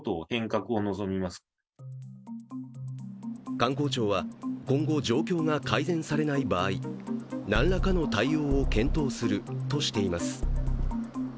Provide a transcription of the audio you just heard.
観光庁は今後、状況が改善されない場合何らかの対応を検討するとしています。